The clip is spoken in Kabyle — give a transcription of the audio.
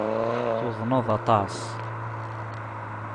Tuḍneḍ aṭas.